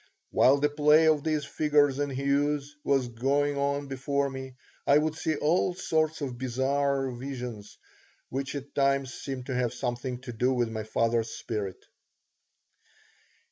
While the play of these figures and hues was going on before me I would see all sorts of bizarre visions, which at times seemed to have something to do with my father's spirit.